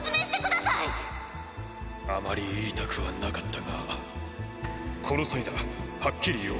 あまり言いたくはなかったがこの際だはっきり言おう。